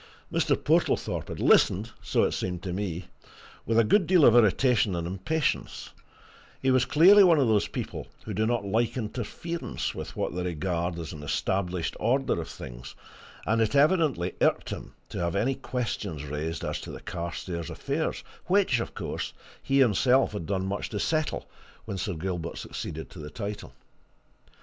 Mr. Portlethorpe had listened so it seemed to me with a good deal of irritation and impatience; he was clearly one of those people who do not like interference with what they regard as an established order of things, and it evidently irked him to have any questions raised as to the Carstairs affairs which, of course, he himself had done much to settle when Sir Gilbert succeeded to the title.